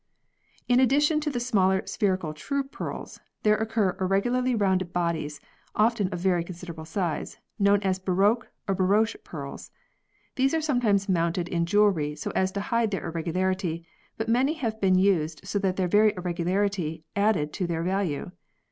In addition to the smaller spherical true pearls, there occur irregularly rounded bodies, often of very considerable size, known as baroque or baroche pearls. These are sometimes mounted in jewellery so as to hide their irregularity, but many have been used so that their very irregularity added to their value.